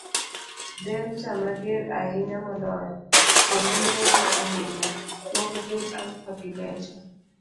Delta mager ahinya moloyo, kendo neko ahinya, moko gin Alpha gi Beta